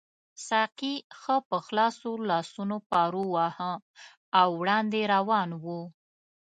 ساقي ښه په خلاصو لاسونو پارو واهه او وړاندې روان وو.